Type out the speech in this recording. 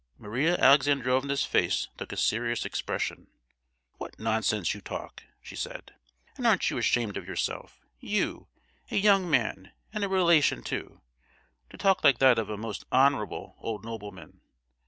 Maria Alexandrovna's face took a serious expression. "What nonsense you talk," she said; "and aren't you ashamed of yourself, you, a young man and a relation too—to talk like that of a most honourable old nobleman!